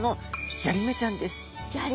ジャリメちゃん。